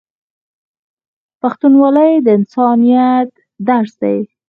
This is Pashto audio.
پښتونولي د انسانیت درس دی.